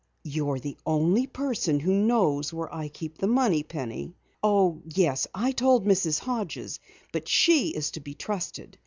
"You're the only person who knows where I keep the money, Penny. Oh, yes, I told Mrs. Hodges, but she is to be trusted.